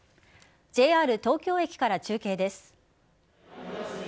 ＪＲ東京駅から中継です。